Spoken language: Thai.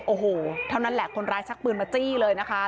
โอ้โหเท่านั้นแหละคนร้ายชักปืนมาจี้เลยนะคะ